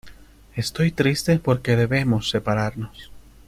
estoy triste porque debemos separarnos.